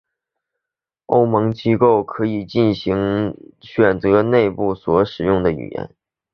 欧盟机构可以自行选择内部所使用的语言。